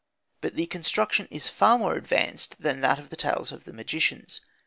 But the construction is far more advanced than that of the tales of the magicians.